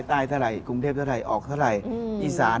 ใต้สลายกรุงเทพธรรย์ออกสลายอีสาน